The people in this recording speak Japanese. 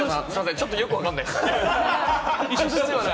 ちょっとよくわかんないです。